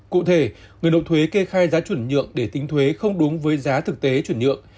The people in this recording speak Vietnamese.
cụ thể người nộp thuế kê khai giá chuyển nhượng để tính thuế không đúng với giá thực tế chuyển nhượng